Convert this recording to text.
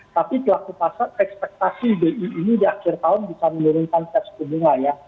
tapi pelaku pasar ekspektasi bi ini di akhir tahun bisa menurunkan suku bunga ya